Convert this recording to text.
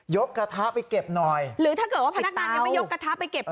กระทะไปเก็บหน่อยหรือถ้าเกิดว่าพนักงานยังไม่ยกกระทะไปเก็บ